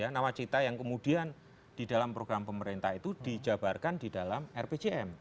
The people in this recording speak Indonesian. nawacita yang kemudian di dalam program pemerintah itu dijabarkan di dalam rpjm